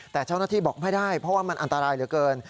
แต่เจ้าหน้าที่บอกไม่ได้เพราะว่ามันอันตรายเหลือเกิน